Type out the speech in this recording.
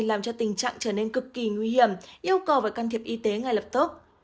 làm cho tình trạng trở nên cực kỳ nguy hiểm yêu cầu và can thiệp y tế ngay lập tức